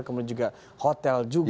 kemudian juga hotel juga